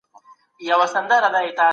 ښوونځي د زدهکوونکو مهارتونه پراخوي.